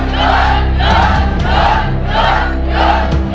สู้หรือหยุดครับ